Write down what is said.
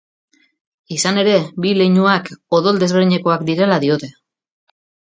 Izan ere, bi leinuak odol desberdinekoak direla diote.